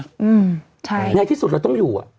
อย่างนี้ที่สุดเราต้องอยู่